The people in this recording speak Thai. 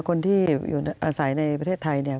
คนที่อยู่อาศัยในประเทศไทยเนี่ย